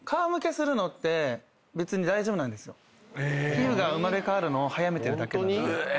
皮膚が生まれ変わるのを早めてるだけなんで。